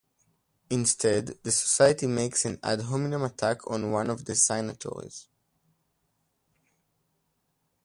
Instead, the Society makes an ad hominem attack on one of the signatories.